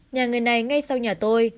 nhà người này ngay sau nhà tôi